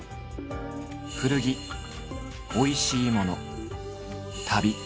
古着おいしいもの旅。